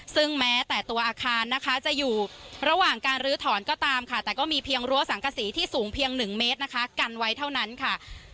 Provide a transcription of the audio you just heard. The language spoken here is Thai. ซึ่งแม้แต่ตัวอาคารนะคะจะอยู่ระหว่างการลื้อถอนก็ตามค่ะแต่ก็มีเพียงรั้วสังกษีที่สูงเพียง๑เมตรนะคะกันไว้เท่านั้นค่ะ